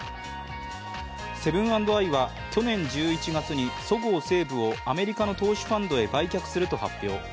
セブン＆アイは去年１１月にそごう・西武をアメリカの投資ファンドへ売却すると発表。